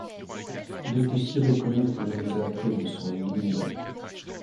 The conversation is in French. Il est aussi reconnu pour les attraits de son église.